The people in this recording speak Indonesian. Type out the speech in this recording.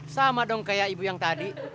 sama dong kayak ibu yang tadi